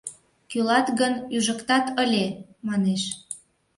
Кӱлат гын, ӱжыктат ыле!» — манеш.